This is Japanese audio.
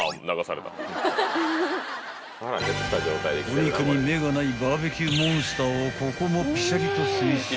［お肉に目がないバーベキューモンスターをここもピシャリと制止］